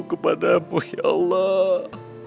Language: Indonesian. kepadamu ya allah